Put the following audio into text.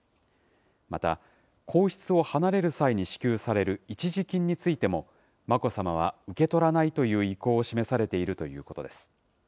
また、皇室を離れる際に支給される一時金についても、眞子さまは受け取らないという意向を示されているということです。